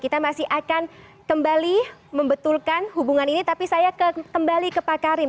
kita masih akan kembali membetulkan hubungan ini tapi saya kembali ke pak karim